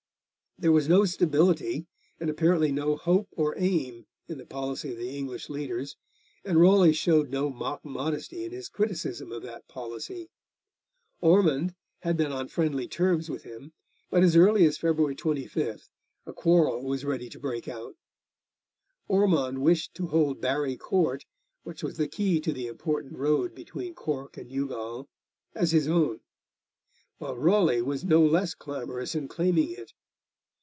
There was no stability and apparently no hope or aim in the policy of the English leaders, and Raleigh showed no mock modesty in his criticism of that policy. Ormond had been on friendly terms with him, but as early as February 25 a quarrel was ready to break out. Ormond wished to hold Barry Court, which was the key to the important road between Cork and Youghal, as his own; while Raleigh was no less clamorous in claiming it.